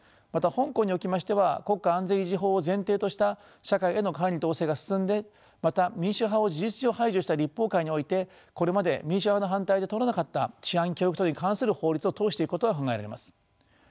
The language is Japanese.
また香港におきましては国家安全維持法を前提とした社会への管理統制が進んでまた民主派を事実上排除した立法会においてこれまで民主派の反対で通らなかった治安教育等に関する法律を通していくことが考えられます。